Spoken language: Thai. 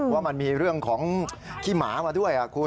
ว่ามันมีเรื่องของขี้หมามาด้วยคุณ